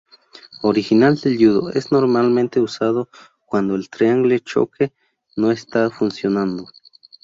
Original del judo, es normalmente usado cuando el triangle choke no está funcionando.